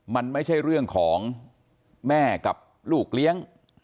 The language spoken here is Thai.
มันไม่ใช่เรื่องของแม่กับลูกเลี้ยง